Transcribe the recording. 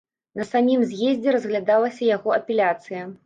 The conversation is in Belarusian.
На самім з'ездзе разглядалася яго апеляцыя.